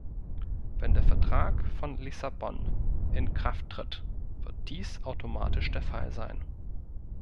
Wenn der Vertrag von Lissabon in Kraft tritt, wird dies automatisch der Fall sein.